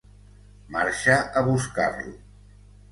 Marxa a buscar-lo.